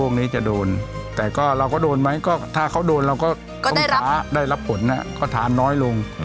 พวกนี้จะโดนแต่ถ้าเราก็โดนไหมก็ได้รับผลนั้นทานน้อยลง